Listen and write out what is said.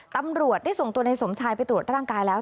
ตำรวจได้ส่งตัวในสมชายไปตรวจร่างกายแล้ว